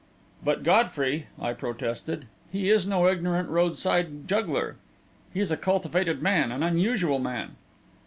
"But, Godfrey," I protested, "he is no ignorant roadside juggler. He's a cultivated man an unusual man."